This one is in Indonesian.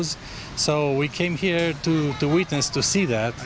jadi kami datang ke sini untuk melihatnya